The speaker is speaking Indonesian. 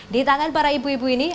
di tangan para ibu ibu ini